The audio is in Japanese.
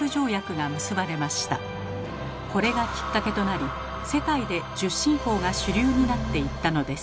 これがきっかけとなり世界で１０進法が主流になっていったのです。